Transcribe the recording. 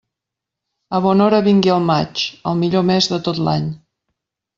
A bona hora vingui el maig, el millor mes de tot l'any.